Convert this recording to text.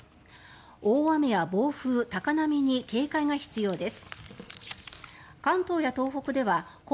大雨や暴風、高波に警戒が必要です。